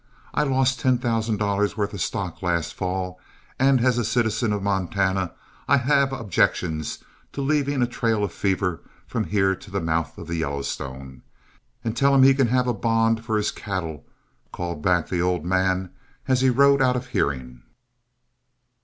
I lost ten thousand dollars' worth of stock last fall, and as a citizen of Montana I have objections to leaving a trail of fever from here to the mouth of the Yellowstone. And tell him he can have a bond for his cattle," called back the old man as he rode out of hearing.